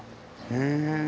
へえ。